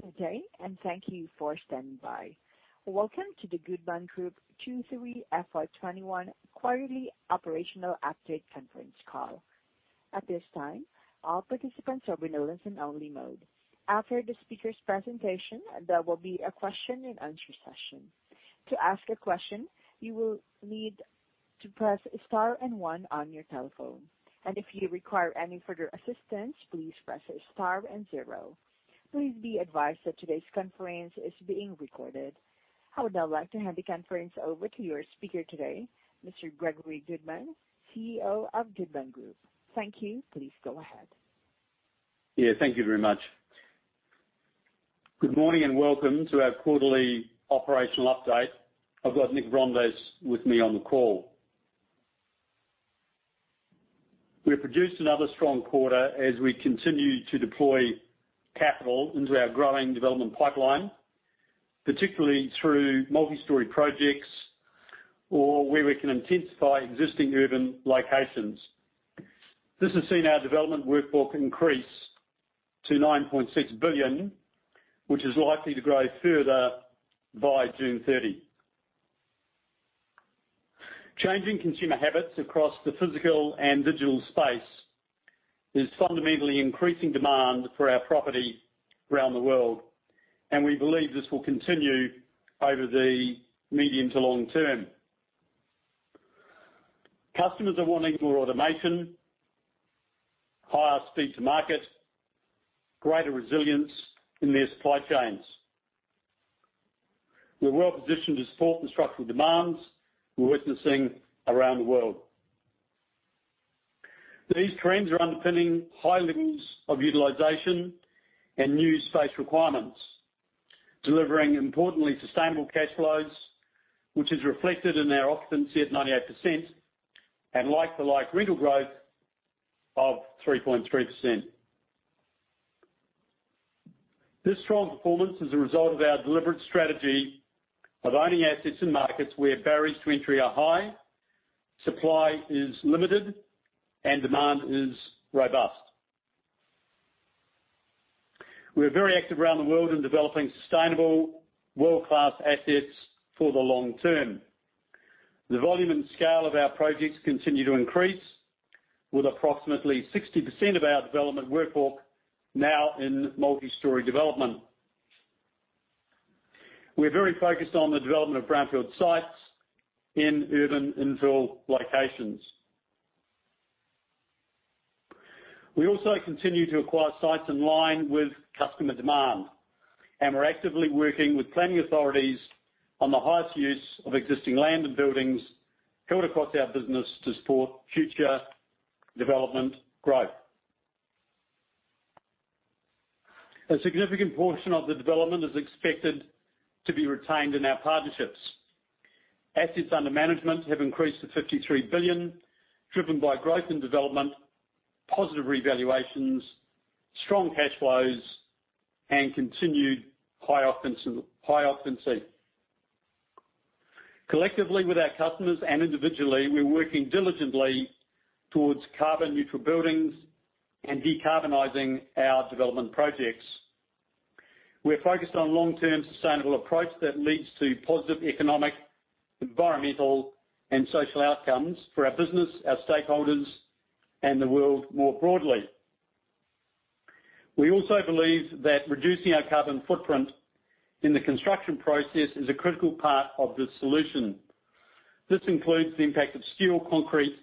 Good day. Thank you for standing by. Welcome to the Goodman Group Q3 FY 2021 quarterly operational update conference call. At this time, all participants are in listen-only mode. After the speaker's presentation, there will be a question and answer session. To ask a question, you will need to press star and one on your telephone. If you require any further assistance, please press star and zero. Please be advised that today's conference is being recorded. I would now like to hand the conference over to your speaker today, Mr. Gregory Goodman, CEO of Goodman Group. Thank you. Please go ahead. Yeah, thank you very much. Good morning, welcome to our quarterly operational update. I've got Nick Reeves with me on the call. We have produced another strong quarter as we continue to deploy capital into our growing development pipeline, particularly through multi-story projects or where we can intensify existing urban locations. This has seen our development workbook increase to 9.6 billion, which is likely to grow further by June 30. Changing consumer habits across the physical and digital space is fundamentally increasing demand for our property around the world. We believe this will continue over the medium to long term. Customers are wanting more automation, higher speed to market, greater resilience in their supply chains. We're well-positioned to support the structural demands we're witnessing around the world. These trends are underpinning high levels of utilization and new space requirements, delivering importantly sustainable cash flows, which is reflected in our occupancy at 98% and like-for-like rental growth of 3.3%. This strong performance is a result of our deliberate strategy of owning assets in markets where barriers to entry are high, supply is limited, and demand is robust. We are very active around the world in developing sustainable world-class assets for the long term. The volume and scale of our projects continue to increase, with approximately 60% of our development workbook now in multi-story development. We are very focused on the development of brownfield sites in urban infill locations. We also continue to acquire sites in line with customer demand. We're actively working with planning authorities on the highest use of existing land and buildings built across our business to support future development growth. A significant portion of the development is expected to be retained in our partnerships. Assets under management have increased to 53 billion, driven by growth and development, positive revaluations, strong cash flows, and continued high occupancy. Collectively with our customers and individually, we are working diligently towards carbon-neutral buildings and decarbonizing our development projects. We are focused on long-term sustainable approach that leads to positive economic, environmental, and social outcomes for our business, our stakeholders, and the world more broadly. We also believe that reducing our carbon footprint in the construction process is a critical part of this solution. This includes the impact of steel, concrete,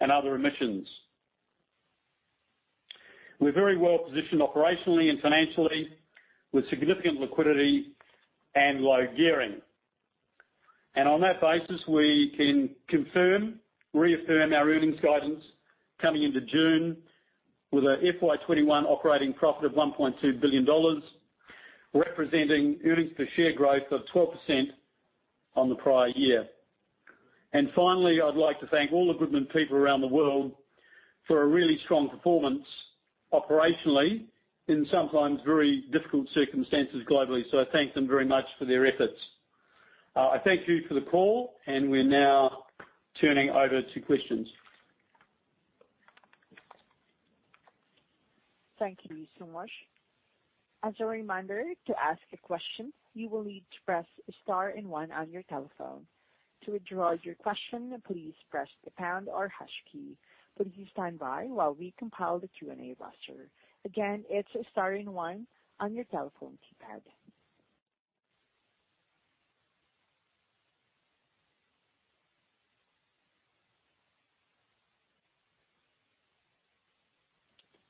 and other emissions. We're very well positioned operationally and financially with significant liquidity and low gearing. On that basis, we can confirm, reaffirm our earnings guidance coming into June with a FY 2021 operating profit of 1.2 billion dollars, representing earnings per share growth of 12% on the prior year. Finally, I'd like to thank all the Goodman people around the world for a really strong performance operationally in sometimes very difficult circumstances globally. I thank them very much for their efforts. I thank you for the call, and we are now turning over to questions. Thank you so much. As a reminder, to ask a question, you will need to press star and one on your telephone. To withdraw your questions, please press the pound key or hash key. Please standby while we compile the Q&A roster. Again, it's a star and one on your telephone keypad.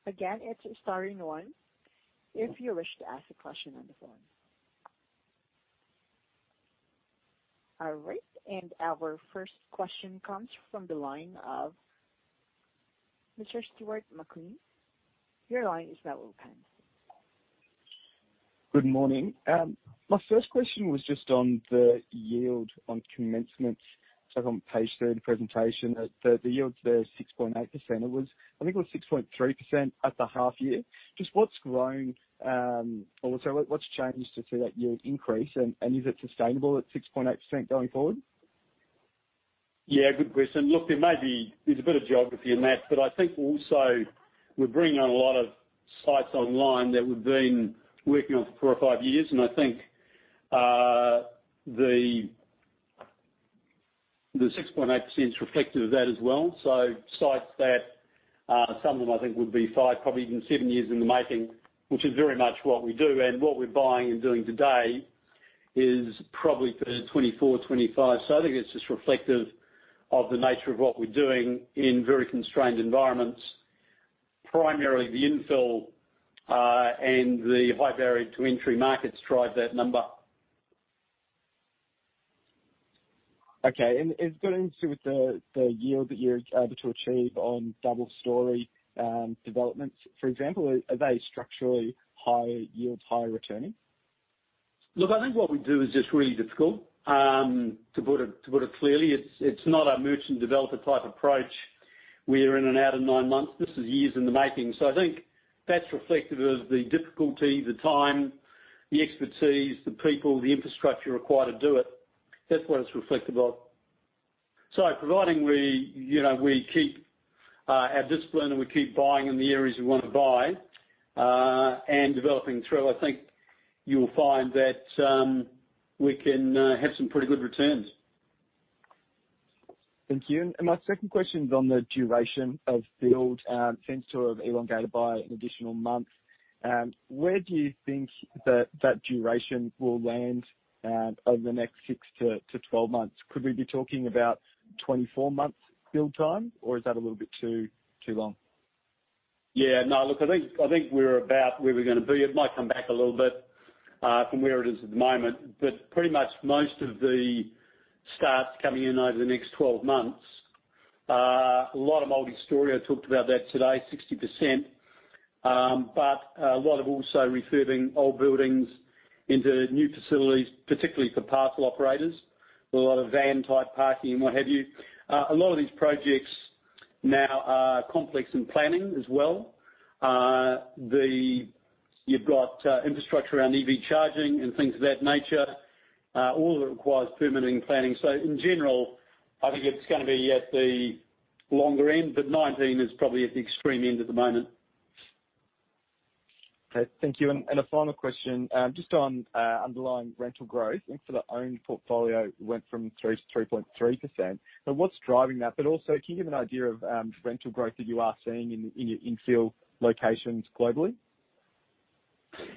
Again is star and one if you wish to ask a question. All right. Our first question comes from the line of Mr. Stuart McLean. Your line is now open. Good morning. My first question was just on the yield on commencements. On page three of the presentation, the yield there is 6.8%. I think it was 6.3% at the half year. Just what's grown, or sorry, what's changed to see that yield increase? Is it sustainable at 6.8% going forward? Yeah, good question. Look, there's a bit of geography in that. I think also we're bringing on a lot of sites online that we've been working on for four or five years. I think the 6.8% is reflective of that as well. Sites that, some of them I think would be five, probably even seven years in the making, which is very much what we do. What we're buying and doing today is probably for 2024, 2025. I think it's just reflective of the nature of what we're doing in very constrained environments. Primarily the infill and the high barrier to entry markets drive that number. Okay. Going into the yield that you're able to achieve on double story developments, for example, are they structurally higher yields, higher returning? I think what we do is just really difficult. To put it clearly, it's not a merchant developer type approach. We're in and out in nine months. This is years in the making. I think that's reflective of the difficulty, the time, the expertise, the people, the infrastructure required to do it. That's what it's reflective of. Providing we keep our discipline and we keep buying in the areas we want to buy, and developing through, I think you'll find that we can have some pretty good returns. Thank you. My second question is on the duration of build. Seems to have elongated by an additional month. Where do you think that duration will land over the next six to 12 months? Could we be talking about 24 months build time, or is that a little bit too long? Yeah. No, look, I think we're about where we're going to be. It might come back a little bit from where it is at the moment. Pretty much most of the starts coming in over the next 12 months. A lot of multi-story. I talked about that today, 60%. A lot of also refurbing old buildings into new facilities, particularly for parcel operators, with a lot of van-type parking and what have you. A lot of these projects now are complex in planning as well. You've got infrastructure around EV charging and things of that nature. All of it requires permitting and planning. In general, I think it's going to be at the longer end, but 19 is probably at the extreme end at the moment. Okay, thank you. A final question, just on underlying rental growth. Instar-owned portfolio went from 3% to 3.3%. What is driving that? Also, can you give an idea of rental growth that you are seeing in your infill locations globally?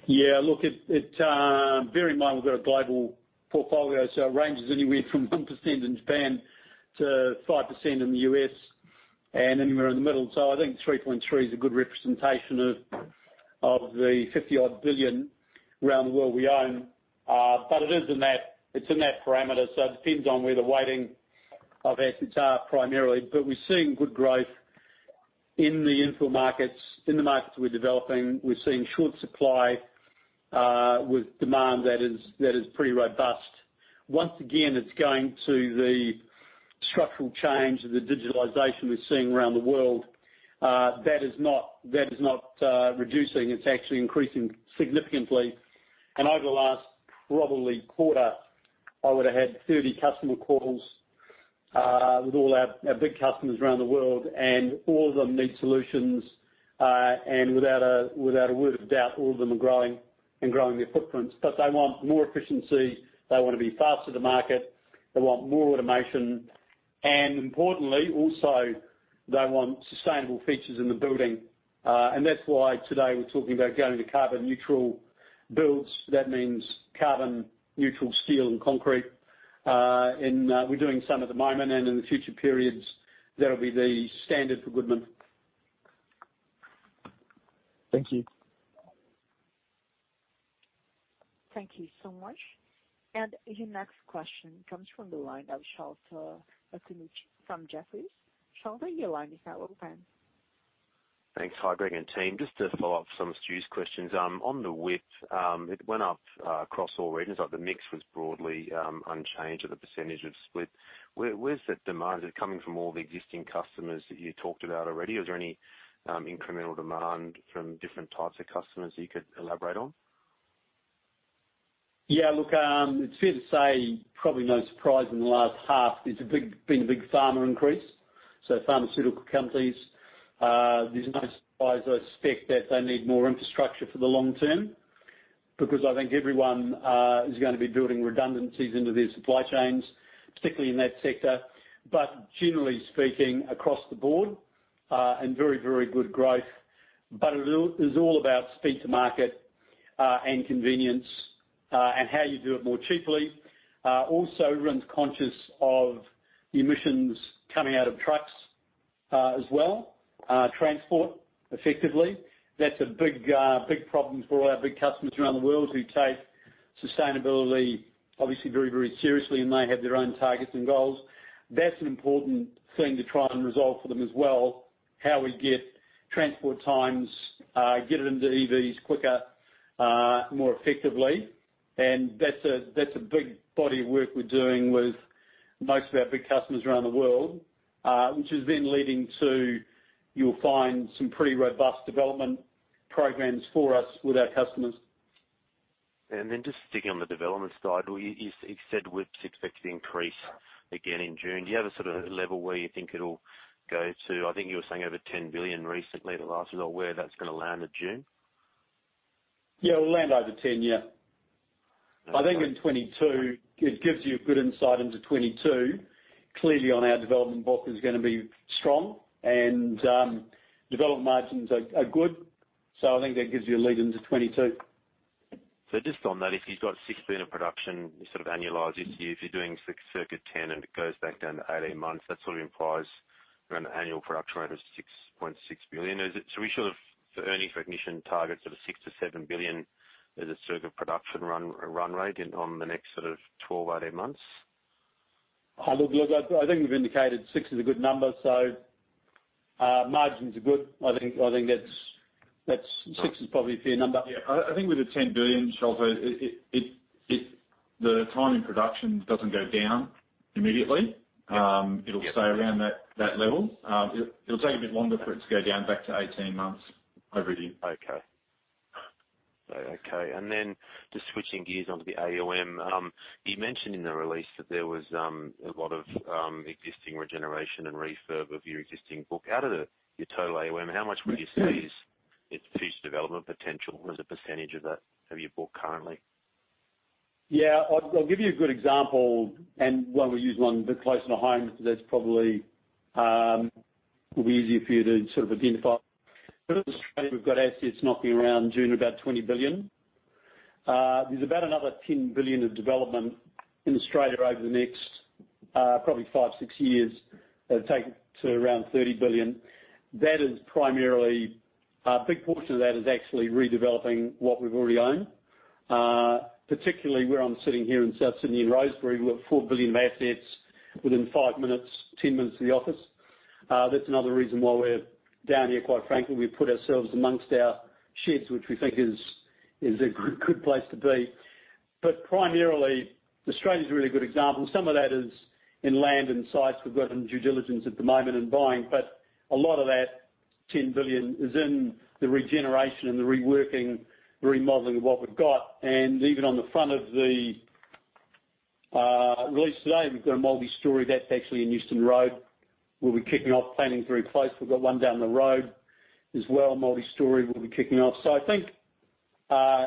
Yeah. Look, bear in mind we've got a global portfolio, so it ranges anywhere from 1% in Japan to 5% in the U.S. and anywhere in the middle. I think 3.3 is a good representation of the 50-odd billion around the world we own. It's in that parameter, so it depends on where the weighting of assets are primarily. We're seeing good growth in the infill markets. In the markets we're developing, we're seeing short supply with demand that is pretty robust. Once again, it's going to the structural change of the digitalization we're seeing around the world. That is not reducing. It's actually increasing significantly. Over the last probably quarter, I would've had 30 customer calls with all our big customers around the world, and all of them need solutions. Without a word of doubt, all of them are growing and growing their footprints. They want more efficiency. They want to be faster to market. They want more automation. Importantly, also, they want sustainable features in the building. That's why today we're talking about going to carbon neutral builds. That means carbon neutral steel and concrete. We're doing some at the moment, and in the future periods, that'll be the standard for Goodman. Thank you. Thank you so much. Your next question comes from the line of Sholto Maconochie from Jefferies. Sholto, your line is now open. Thanks. Hi, Greg and team. Just to follow up some of Stu's questions. On the WIP, it went up across all regions, like the mix was broadly unchanged at the percentage it was split. Where's the demand? Is it coming from all the existing customers that you talked about already, or is there any incremental demand from different types of customers that you could elaborate on? Yeah. Look, it's fair to say, probably no surprise in the last half, there's been a big pharma increase, so pharmaceutical companies. There's no surprise. I expect that they need more infrastructure for the long term because I think everyone is going to be building redundancies into their supply chains, particularly in that sector. Generally speaking, across the board and very, very good growth. It is all about speed to market and convenience, and how you do it more cheaply. Also, everyone's conscious of the emissions coming out of trucks as well. Transport, effectively. That's a big problem for all our big customers around the world who take sustainability obviously very, very seriously, and they have their own targets and goals. That's an important thing to try and resolve for them as well. How we get transport times, get it into EVs quicker, more effectively. That's a big body of work we're doing with most of our big customers around the world, which is then leading to, you'll find some pretty robust development programs for us with our customers. Just sticking on the development side, you said WIP is expected to increase again in June. Do you have a level where you think it'll go to? I think you were saying over 10 billion recently at last. Is that where that's going to land at June? Yeah, it'll land over 10. Yeah. I think in 2022, it gives you a good insight into 2022. Clearly on our development book is going to be strong and development margins are good. I think that gives you a lead into 2022. Just on that, if you've got 16 billion of production, you annualize it to if you're doing circa 10 billion, and it goes back down to 18 months, that implies around an annual production rate of 6.6 billion. Is it so we should have for earnings recognition targets at a 6 billion-7 billion as a circuit production run rate on the next sort of 12, 18 months? I think we've indicated six is a good number, so margins are good. I think six is probably a fair number. Yeah, I think with the 10 billion, Sholto, the timing production doesn't go down immediately. Yeah. It'll stay around that level. It'll take a bit longer for it to go down back to 18 months overdue. Okay. Just switching gears onto the AUM. You mentioned in the release that there was a lot of existing regeneration and refurb of your existing book. Out of your total AUM, how much would you say is future development potential as a percentage of your book currently? Yeah. I'll give you a good example, and why don't we use one a bit closer to home because that probably will be easier for you to identify. In Australia, we've got assets knocking around June of about AUD 20 billion. There's about another AUD 10 billion of development in Australia over the next probably five, six years. That'll take it to around 30 billion. A big portion of that is actually redeveloping what we already own. Particularly where I'm sitting here in South Sydney in Rosebery, we've got 4 billion of assets within five minutes, 10 minutes of the office. That's another reason why we're down here, quite frankly. We've put ourselves amongst our sheds, which we think is a good place to be. Primarily, Australia is a really good example. Some of that is in land and sites we've got under due diligence at the moment and buying. A lot of that 10 billion is in the regeneration and the reworking, remodeling of what we've got. Even on the front of the release today, we've got a multi-story that's actually in Newton Road we'll be kicking off planning very close. We've got one down the road as well, multi-story we'll be kicking off. I think,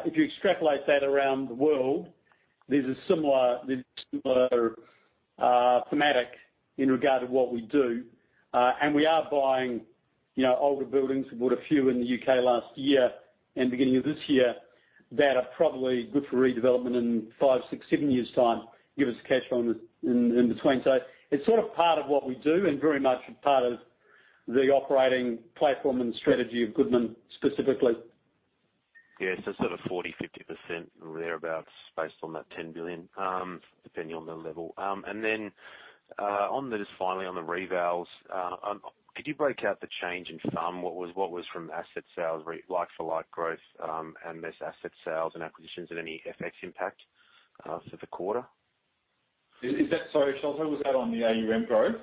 if you extrapolate that around the world, there's a similar thematic in regard to what we do. We are buying older buildings. We bought a few in the U.K. last year and beginning of this year that are probably good for redevelopment in five, six, seven years' time, give us cash in between. It's part of what we do and very much a part of the operating platform and strategy of Goodman specifically. Yeah. Sort of 40%-50% or thereabout based on that 10 billion, depending on the level. Just finally on the revals, could you break out the change in sum? What was from asset sales, like-for-like growth, and those asset sales and acquisitions and any FX impact for the quarter? Sorry, Sholto, was that on the AUM growth?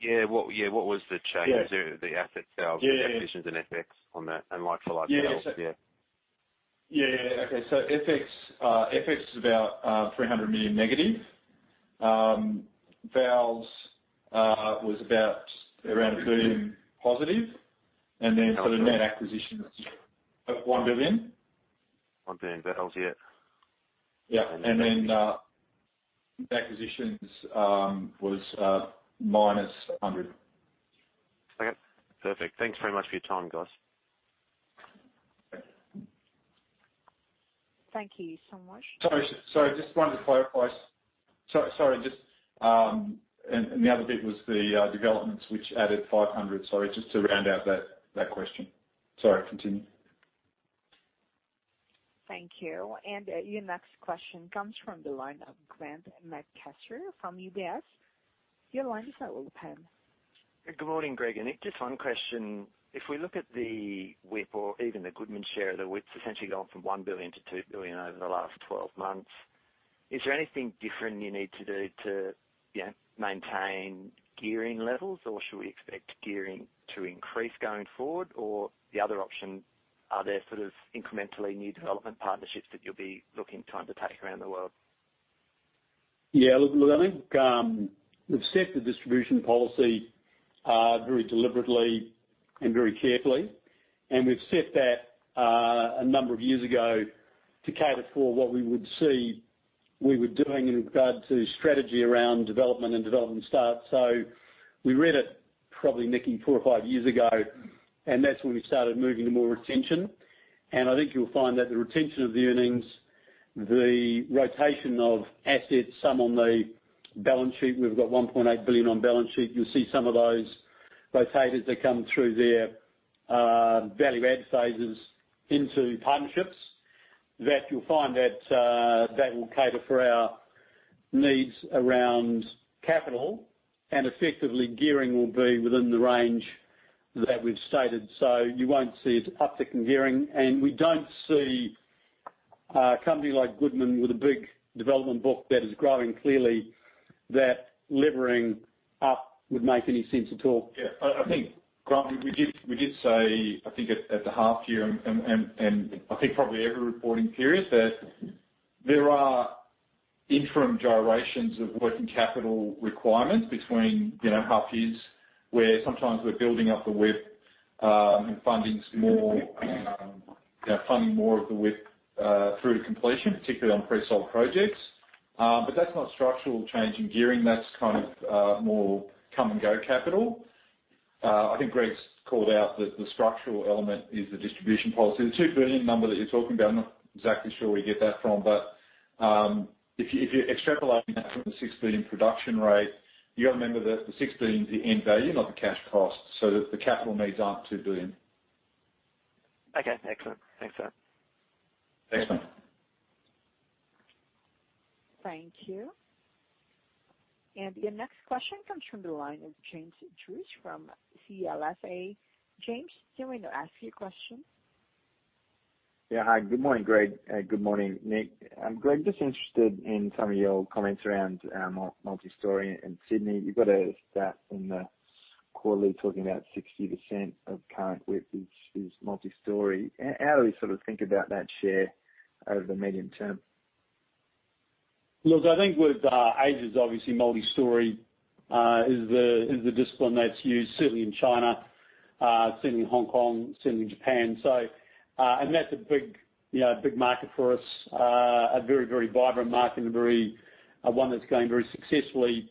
Yeah, what was the change- Yeah the asset sales- Yeah the acquisitions and FX on that and like-for-like sales? Yeah. Okay. FX is about 300 million negative. Vals was about 1 billion positive. Net acquisition is 1 billion. 1 billion. That helps. Yeah. Yeah. Acquisitions was -100. Okay. Perfect. Thanks very much for your time, guys. Thank you so much. Sorry. The other bit was the developments which added 500. Sorry, just to round out that question. Sorry, continue. Thank you. Your next question comes from the line of Grant McCasker from UBS. Your line is open. Good morning, Greg and Nick. Just one question. If we look at the WIP or even the Goodman share, the WIP's essentially gone from 1 billion to 2 billion over the last 12 months. Is there anything different you need to do to maintain gearing levels? Should we expect gearing to increase going forward? The other option, are there incrementally new development partnerships that you'll be looking to undertake around the world? I think we've set the distribution policy very deliberately and very carefully. We've set that a number of years ago to cater for what we would see we were doing in regard to strategy around development and development start. We read it probably, Nicky, four or five years ago. That's when we started moving to more retention. I think you'll find that the retention of the earnings, the rotation of assets, some on the balance sheet, we've got 1.8 billion on balance sheet. You'll see some of those rotators that come through their value add phases into partnerships, that you'll find that will cater for our needs around capital. Effectively gearing will be within the range that we've stated. You won't see an uptick in gearing. We don't see a company like Goodman with a big development book that is growing clearly. That levering up would make any sense at all. Yeah. I think, Grant, we did say, I think at the half year and I think probably every reporting period, that there are interim gyrations of working capital requirements between half years, where sometimes we're building up the WIP, and funding more of the WIP through to completion, particularly on pre-sold projects. That's not structural change in gearing. That's more come and go capital. I think Gregory's called out that the structural element is the distribution policy. The 2 billion number that you're talking about, I'm not exactly sure where you get that from, but if you're extrapolating that from the 6 billion production rate, you got to remember that the 6 billion is the end value, not the cash cost, so the capital needs aren't 2 billion. Okay. Excellent. Thanks, sir. Thanks, mate. Thank you. Your next question comes from the line of James Druce from CLSA. James, you may now ask your question. Yeah. Hi. Good morning, Greg. Good morning, Nick. Greg, just interested in some of your comments around multi-story in Sydney. You've got a stat in the quarterly talking about 60% of current WIP is multi-story. How do we think about that share over the medium term? Look, I think with Asia, obviously multi-story is the discipline that's used, certainly in China, certainly in Hong Kong, certainly in Japan. That's a big market for us. A very, very vibrant market and one that's going very successfully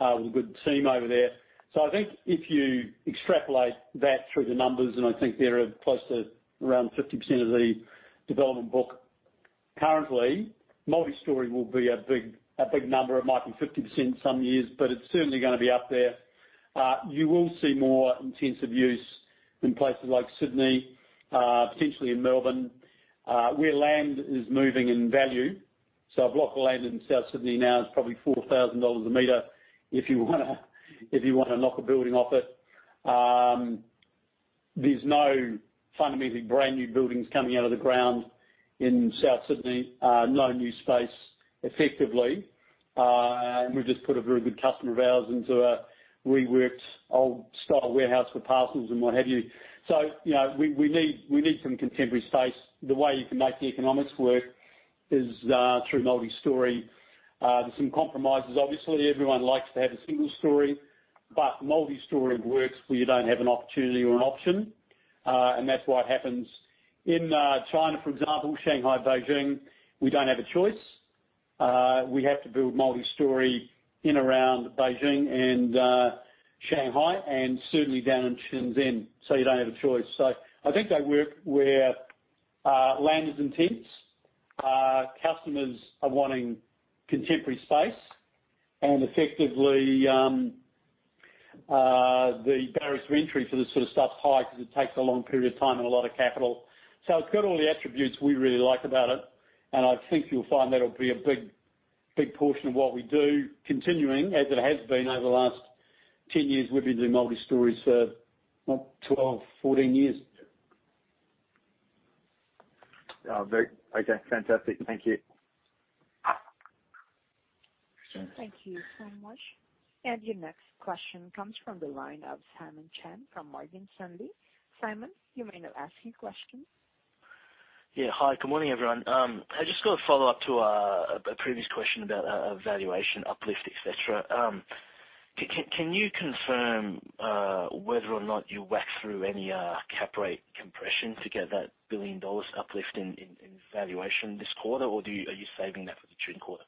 with a good team over there. I think if you extrapolate that through the numbers, and I think they are close to around 50% of the development book currently, multi-story will be a big number. It might be 50% some years, but it's certainly going to be up there. You will see more intensive use in places like Sydney, potentially in Melbourne, where land is moving in value. A block of land in South Sydney now is probably 4,000 dollars a meter if you want to knock a building off it. There's no fundamentally brand-new buildings coming out of the ground in South Sydney. No new space, effectively. We've just put a very good customer of ours into a reworked old-style warehouse for parcels and what have you. We need some contemporary space. The way you can make the economics work is through multi-story. There's some compromises. Obviously, everyone likes to have a single story, but multi-story works where you don't have an opportunity or an option, and that's why it happens. In China, for example, Shanghai, Beijing, we don't have a choice. We have to build multi-story in around Beijing and Shanghai and certainly down in Shenzhen. You don't have a choice. I think they work where land is intense, customers are wanting contemporary space, and effectively, the barriers to entry for this sort of stuff's high because it takes a long period of time and a lot of capital. It's got all the attributes we really like about it, and I think you'll find that'll be a big portion of what we do continuing as it has been over the last 10 years. We've been doing multi-stories for 12, 14 years. Okay. Fantastic. Thank you. Thank you so much. Your next question comes from the line of Simon Chan from Morgan Stanley. Simon, you may now ask your question. Yeah. Hi. Good morning, everyone. I just got a follow-up to a previous question about valuation uplift, et cetera. Can you confirm whether or not you worked through any cap rate compression to get that 1 billion dollars uplift in valuation this quarter? Are you saving that for the June quarter?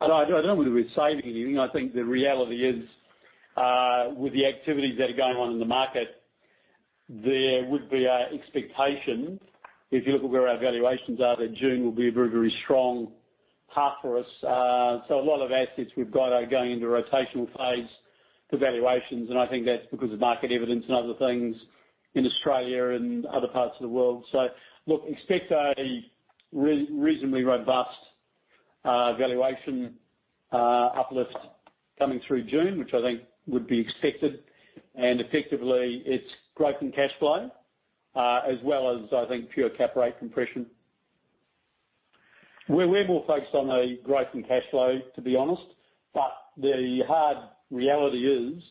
I don't know whether we're saving anything. I think the reality is, with the activities that are going on in the market, there would be an expectation, if you look at where our valuations are, that June will be a very, very strong half for us. A lot of assets we've got are going into rotational phase for valuations, and I think that's because of market evidence and other things in Australia and other parts of the world. Look, expect a reasonably robust valuation uplift coming through June, which I think would be expected. Effectively, it's growth in cash flow, as well as I think pure cap rate compression, where we're more focused on a growth in cash flow, to be honest. The hard reality is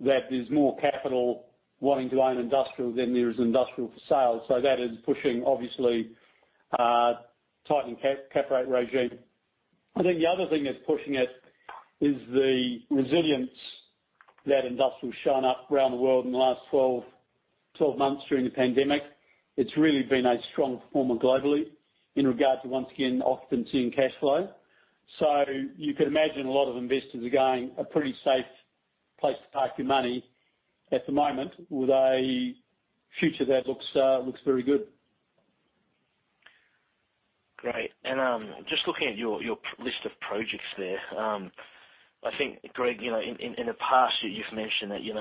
that there's more capital wanting to own industrial than there is industrial for sale. That is pushing, obviously, tightened cap rate regime. I think the other thing that's pushing it is the resilience that industrial's shown up around the world in the last 12 months during the pandemic. It's really been a strong performer globally in regard to, once again, occupancy and cash flow. You can imagine a lot of investors are going, a pretty safe place to park your money at the moment with a future that looks very good. Great. Just looking at your list of projects there. I think, Gregory, in the past you've mentioned that you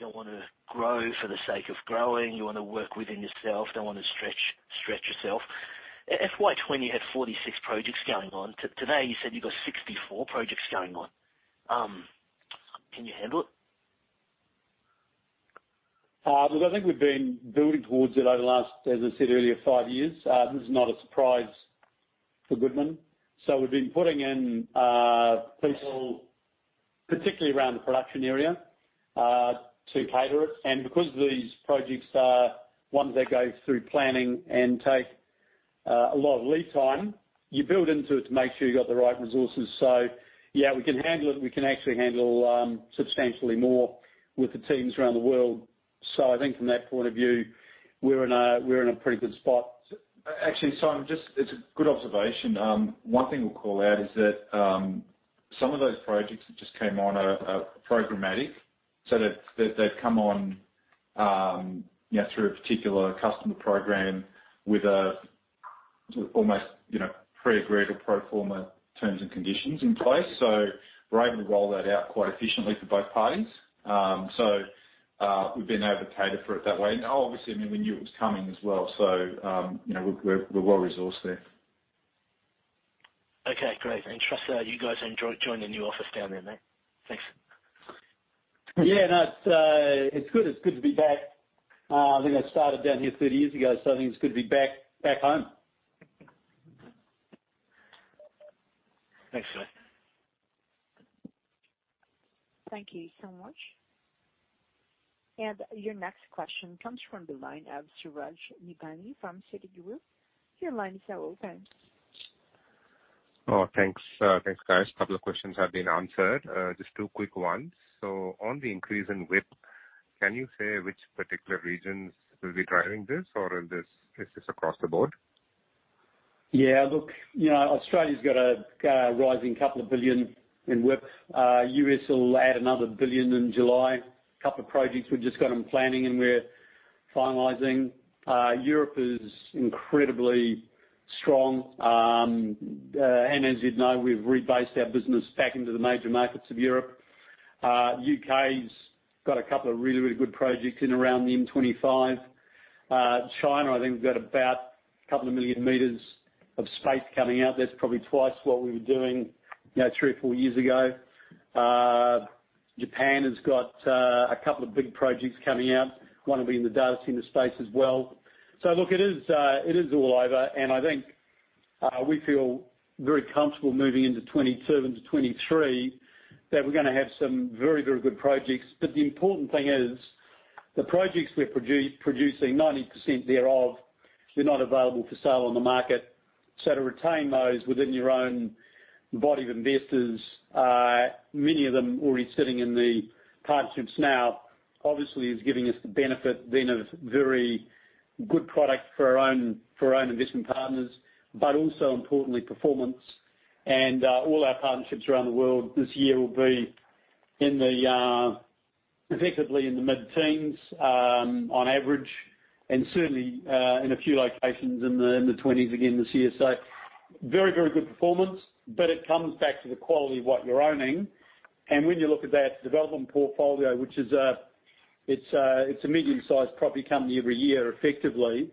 don't want to grow for the sake of growing. You want to work within yourself, don't want to stretch yourself. FY 2020, you had 46 projects going on. Today, you said you've got 64 projects going on. Can you handle it? I think we've been building towards it over the last, as I said earlier, five years. This is not a surprise for Goodman. We've been putting in people, particularly around the production area, to cater it. Because these projects are ones that go through planning and take a lot of lead time, you build into it to make sure you've got the right resources. Yeah, we can handle it. We can actually handle substantially more with the teams around the world. I think from that point of view, we're in a pretty good spot. Actually, Simon, it's a good observation. One thing we'll call out is that some of those projects that just came on are programmatic, so they've come on through a particular customer program with almost pre-agreed or pro forma terms and conditions in place. We're able to roll that out quite efficiently for both parties. We've been able to cater for it that way. Now, obviously, we knew it was coming as well, so we're well-resourced there. Okay, great. Trust you guys enjoy joined the new office down there, mate. Thanks. Yeah. No, it's good to be back. I think I started down here 30 years ago, so I think it's good to be back home. Thanks, mate. Thank you so much. Your next question comes from the line of Suraj Nebhani from Citigroup. Oh, thanks. Thanks, guys. A couple of questions have been answered. Just two quick ones. On the increase in WIP, can you say which particular regions will be driving this? Or is this across the board? Australia's got a rising 2 billion in WIP. U.S. will add another 1 billion in July. Two projects we've just got in planning, and we're finalizing. Europe is incredibly strong. As you'd know, we've rebased our business back into the major markets of Europe. U.K.'s got two really good projects in around the M25. China, I think we've got about 2 million meters of space coming out. That's probably twice what we were doing three or four years ago. Japan has got two big projects coming out, one will be in the data center space as well. It is all over, and I think we feel very comfortable moving into 2022 into 2023, that we're going to have some very good projects. The important thing is the projects we're producing, 90% thereof, are not available for sale on the market. To retain those within your own body of investors, many of them already sitting in the partnerships now, obviously is giving us the benefit then of very good product for our own investment partners. Also importantly, performance. All our partnerships around the world this year will be effectively in the mid-teens, on average, and certainly in a few locations in the 20s again this year. Very good performance. It comes back to the quality of what you're owning. When you look at that development portfolio, which is a medium-sized property company every year, effectively,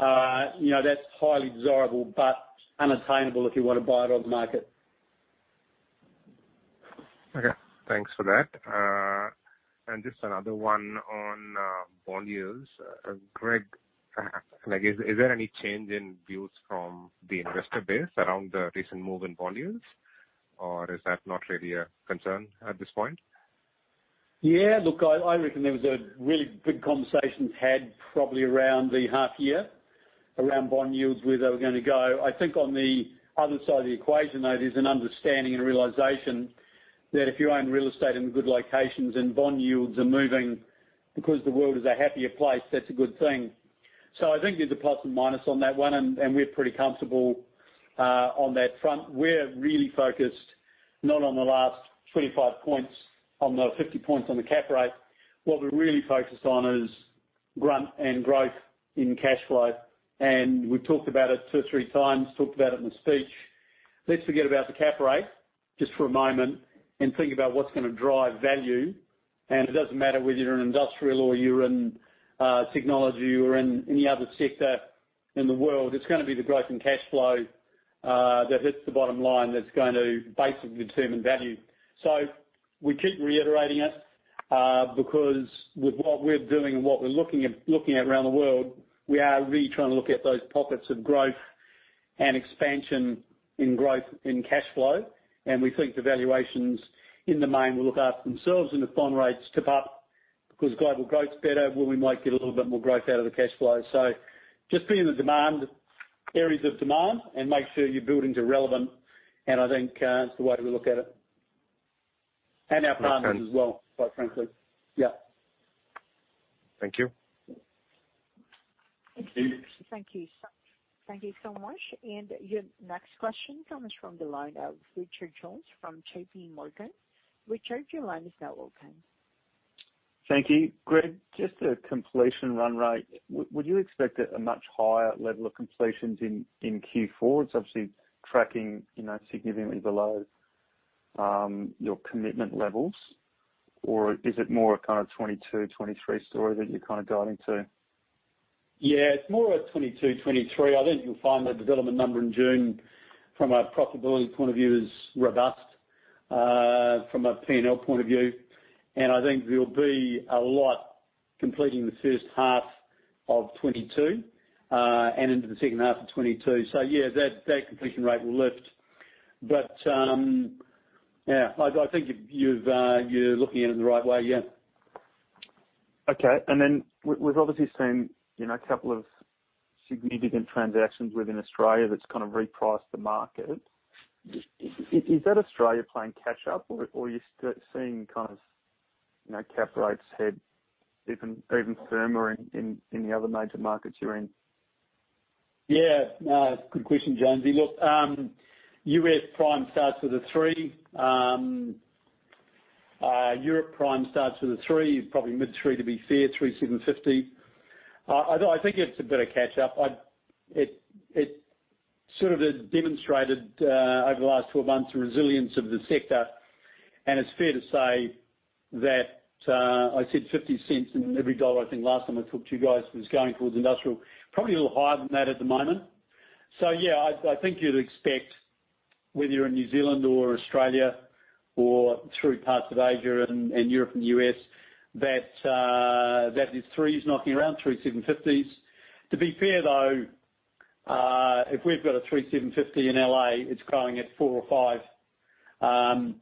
that's highly desirable, but unattainable if you want to buy it on the market. Okay. Thanks for that. Just another one on bond yields. Greg, is there any change in views from the investor base around the recent move in bond yields? Is that not really a concern at this point? Yeah. Look, I reckon there was a really big conversation had probably around the half year around bond yields, where they were going to go. I think on the other side of the equation, though, there's an understanding and realization that if you own real estate in good locations and bond yields are moving because the world is a happier place, that's a good thing. I think there's a plus and minus on that one, and we're pretty comfortable on that front. We're really focused not on the last 25 points on the 50 points on the cap rate. What we're really focused on is grunt and growth in cash flow. We've talked about it two or three times, talked about it in the speech. Let's forget about the cap rate just for a moment and think about what's going to drive value. It doesn't matter whether you're in industrial or you're in technology or in any other sector in the world, it's going to be the growth in cash flow that hits the bottom line that's going to basically determine value. We keep reiterating it because with what we're doing and what we're looking at around the world, we are really trying to look at those pockets of growth and expansion in growth in cash flow. We think the valuations in the main will look after themselves. If bond rates tip up because global growth's better, well, we might get a little bit more growth out of the cash flow. Just be in the areas of demand and make sure your buildings are relevant, and I think that's the way we look at it. Our partners as well. Makes sense. quite frankly. Yeah. Thank you. Thank you so much. Your next question comes from the line of Richard Jones from JPMorgan. Richard, your line is now open. Thank you. Gregory, just a completion run rate. Would you expect a much higher level of completions in Q4? It's obviously tracking significantly below your commitment levels. Is it more a kind of 2022, 2023 story that you're kind of guiding to? Yeah, it's more a 2022, 2023. I think you'll find the development number in June from a profitability point of view is robust, from a P&L point of view. I think there'll be a lot completing the first half of 2022, and into the second half of 2022. Yeah, that completion rate will lift. I think you're looking at it in the right way, yeah. Okay. We've obviously seen two significant transactions within Australia that's kind of repriced the market. Is that Australia playing catch up or are you still seeing cap rates head even firmer in the other major markets you're in? Yeah. Good question, Jamesie. Look, U.S. prime starts with a three. Europe prime starts with a three, probably mid-3 to be fair, 3.750. I think it's a bit of catch up. It sort of has demonstrated, over the last 12 months, the resilience of the sector, and it's fair to say that, I said 0.50 in every AUD 1.00, I think last time I talked to you guys, was going towards industrial. Probably a little higher than that at the moment. Yeah, I think you'd expect whether you're in New Zealand or Australia or through parts of Asia and Europe and the U.S., that the 3's knocking around, 3.750s. To be fair, though, if we've got a 3.750 in L.A., it's growing at four or five. I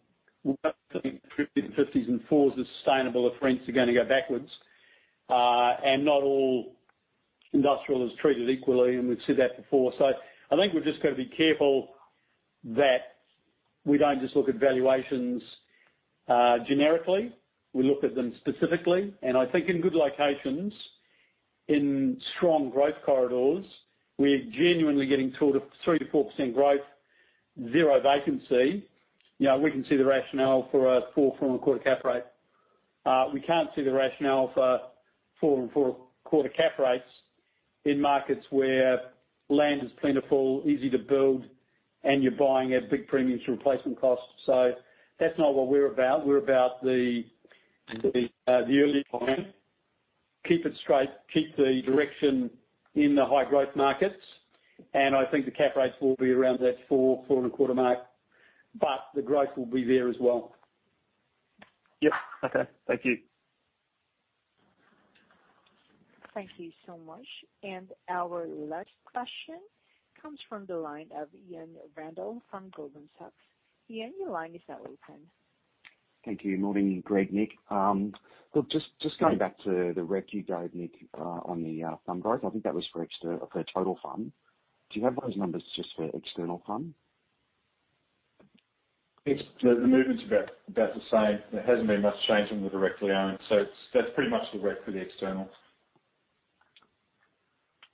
don't think 3.750s and fours is sustainable if rents are going to go backwards. Not all industrial is treated equally, and we've said that before. I think we've just got to be careful that we don't just look at valuations generically, we look at them specifically. I think in good locations, in strong growth corridors, we are genuinely getting 3%-4% growth, zero vacancy. We can see the rationale for a 4-4.25% cap rate. We can't see the rationale for 4-4.25% cap rates in markets where land is plentiful, easy to build, and you're buying at big premiums replacement costs. That's not what we're about. We're about the early time. Keep it straight, keep the direction in the high growth markets. I think the cap rates will be around that 4-4.25% mark, but the growth will be there as well. Yep. Okay. Thank you. Thank you so much. Our last question comes from the line of Ian Randall from Goldman Sachs. Ian, your line is now open. Thank you. Morning, Gregory Goodman, Nick Reeves. Look, just going back to the rev you gave, Nick Reeves, on the fund growth. I think that was for total fund. Do you have those numbers just for external fund? Nick, the movement's about the same. There hasn't been much change from the directly owned, so that's pretty much the rev for the external.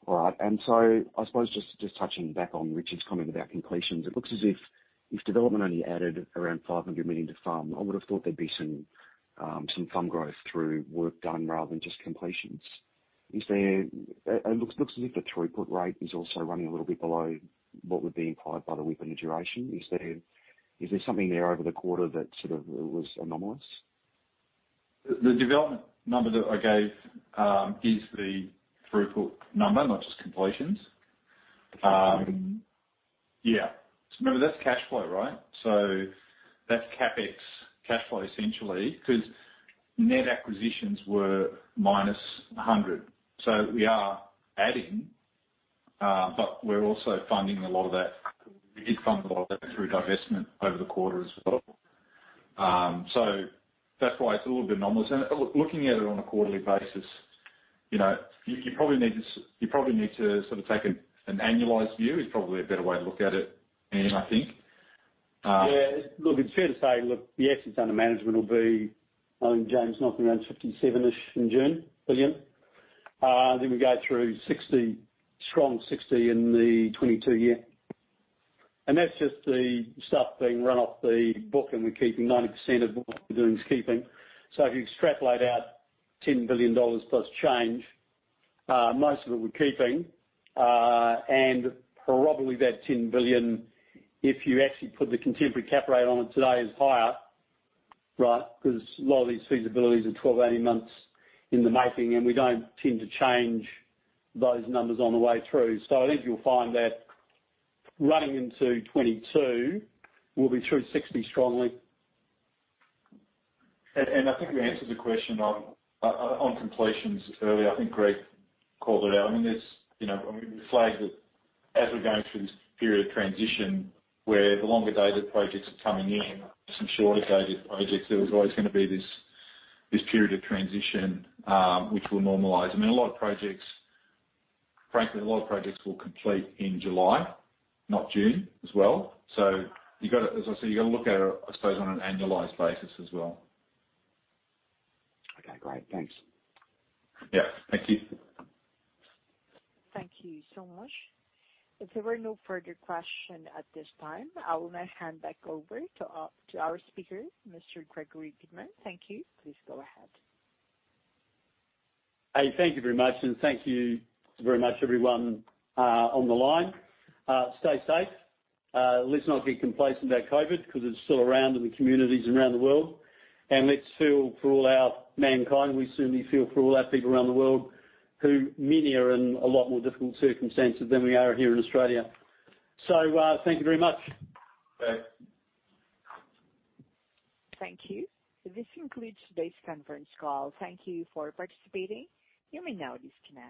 All right. I suppose just touching back on Richard's comment about completions, it looks as if development only added around 500 million to farm. I would've thought there'd be some fund growth through work done rather than just completions. It looks as if the throughput rate is also running a little bit below what would be implied by the WIP and the duration. Is there something there over the quarter that sort of was anomalous? The development number that I gave is the throughput number, not just completions. The cash flow. Yeah. Remember that's cash flow, right? That's CapEx cash flow, essentially, because net acquisitions were -100. We are adding, but we're also funding a lot of that. We did fund a lot of that through divestment over the quarter as well. That's why it's a little bit anomalous. Looking at it on a quarterly basis, you probably need to take an annualized view, is probably a better way to look at it, Ian, I think. It's fair to say, the AUM will be, I think James knocking around 57-ish in June, billion. I think we go through 60 billion, strong 60 billion in the 2022 year. That's just the stuff being run off the book and we're keeping 90% of what we're doing is keeping. If you extrapolate out 10 billion dollars plus change, most of it we're keeping, and probably that 10 billion, if you actually put the contemporary cap rate on it today is higher, right? A lot of these feasibilities are 12, 18 months in the making, and we don't tend to change those numbers on the way through. I think you'll find that running into 2022, we'll be through 60 billion strongly. I think we answered the question on completions earlier. I think Greg called it out. We flagged it as we're going through this period of transition where the longer dated projects are coming in, some shorter dated projects, there was always going to be this period of transition, which will normalize. Frankly, a lot of projects will complete in July, not June as well. As I said, you got to look at it, I suppose, on an annualized basis as well. Okay, great. Thanks. Yeah. Thank you. Thank you so much. If there were no further question at this time, I will now hand back over to our speaker, Mr. Gregory Goodman. Thank you. Please go ahead. Hey, thank you very much. Thank you very much everyone on the line. Stay safe. Let's not be complacent about COVID, because it's still around in the communities around the world. Let's feel for all our mankind. We certainly feel for all our people around the world who many are in a lot more difficult circumstances than we are here in Australia. Thank you very much. Thanks. Thank you. This concludes today's conference call. Thank you for participating. You may now disconnect.